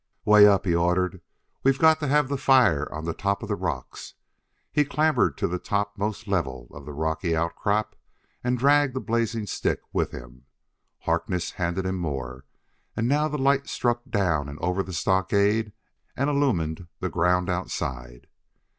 "'Way up," he ordered; "we've got to have the fire on the top of the rocks." He clambered to the topmost level of the rocky outcrop and dragged a blazing stick with him. Harkness handed him more; and now the light struck down and over the stockade and illumined the ground outside.